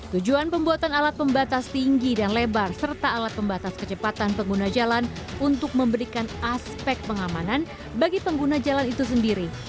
tujuan pembuatan alat pembatas tinggi dan lebar serta alat pembatas kecepatan pengguna jalan untuk memberikan aspek pengamanan bagi pengguna jalan itu sendiri